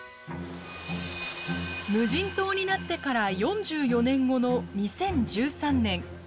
無人島になってから４４年後の２０１３年。